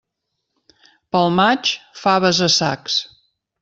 Pel maig, faves a sacs.